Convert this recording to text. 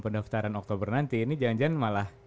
pendaftaran oktober nanti ini jangan jangan malah